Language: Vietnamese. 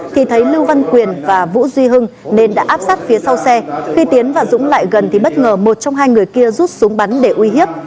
thì thấy lưu văn quyền và vũ duy hưng nên đã áp sát phía sau xe khi tiến và dũng lại gần thì bất ngờ một trong hai người kia rút súng bắn để uy hiếp